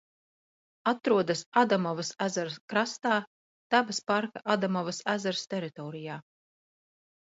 "Atrodas Adamovas ezera krastā, dabas parka "Adamovas ezers" teritorijā."